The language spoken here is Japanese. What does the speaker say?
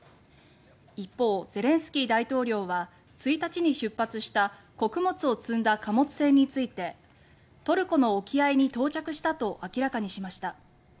一方、ゼレンスキー大統領は１日に出発した穀物を積んだ貨物船についてトルコの沖合に到着したと明らかにしました。